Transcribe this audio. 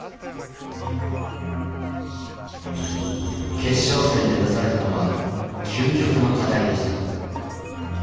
決勝戦で出されたのは究極の課題でした。